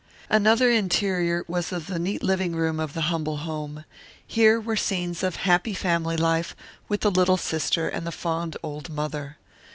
Another interior was of the neat living room of the humble home. Here were scenes of happy family life with the little sister and the fond old mother.